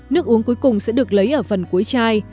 nước uống cuối cùng sẽ được lấy ở phần cuối chai